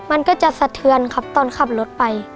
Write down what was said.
มันก็จะสะเทือนครับตอนขับรถไป